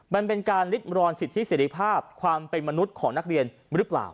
มันเป็นการริดรอนสิทธิเสรีภาพความเป็นมนุษย์ของนักเรียนหรือเปล่า